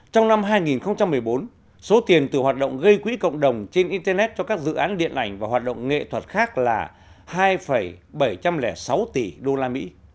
trong năm hai nghìn một mươi bốn số tiền từ hoạt động gây quỹ cộng đồng trên internet cho các dự án điện ảnh và hoạt động nghệ thuật khác là hai bảy trăm linh sáu tỷ đô la mỹ